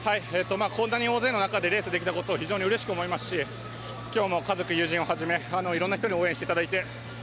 こんなに大勢の中でレースができたことを非常にうれしく思いますし今日も家族、友人をはじめいろんな人に応援していただいて。